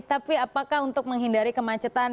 tapi apakah untuk menghindari kemacetan